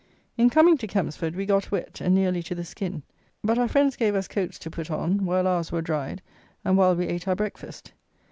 In coming to Kempsford we got wet, and nearly to the skin. But our friends gave us coats to put on, while ours were dried, and while we ate our breakfast.